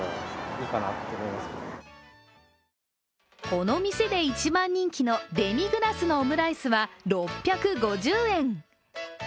この店で一番人気のデミグラスのオムライスは６５０円。